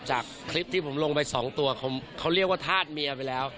จากคลิปที่ผมลงไปสองตัวเขาเรียกว่าธาตุเมียไปแล้ว